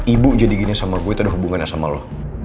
ibu jadi gini sama gue itu ada hubungannya sama lo